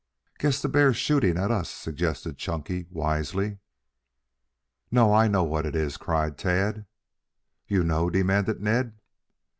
"Guess the bear's shooting at us," suggested Chunky wisely. "No. I know what it is," cried Tad. "You know?" demanded Ned.